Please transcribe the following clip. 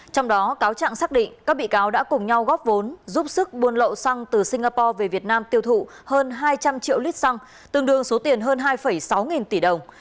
trong đó cáo trạng xác định các bị cáo đã cùng nhau góp vốn giúp sức buôn lậu xăng từ singapore về việt nam tiêu thụ hơn hai trăm linh triệu lít xăng tương đương số tiền hơn hai sáu nghìn tỷ đồng